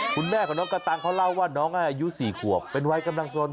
คุณแม่ของน้องกระตังเขาเล่าว่าน้องอายุ๔ขวบเป็นวัยกำลังสน